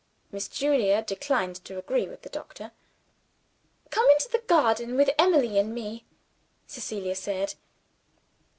Miss Julia declined to agree with the doctor. "Come into the garden with Emily and me," Cecilia said.